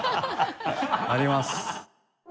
あります。